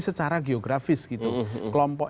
secara geografis gitu kelompok